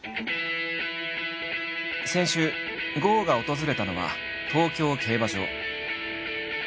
先週郷が訪れたのは東京競馬場。